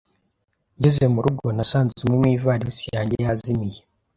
Ngeze mu rugo, nasanze imwe mu ivarisi yanjye yazimiye.